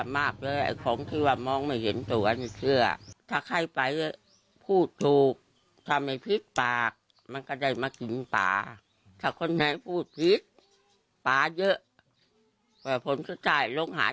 มันแรง้ป่ามันแรง